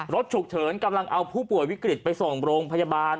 รถฉุกเฉินกำลังเอาผู้ป่วยวิกฤตไปส่งโรงพยาบาล